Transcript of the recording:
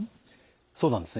そうなんですね